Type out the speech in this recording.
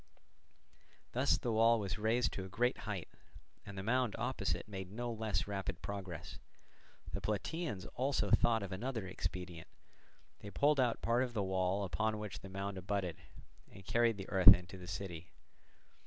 Thus the wall was raised to a great height, and the mound opposite made no less rapid progress. The Plataeans also thought of another expedient; they pulled out part of the wall upon which the mound abutted, and carried the earth into the city.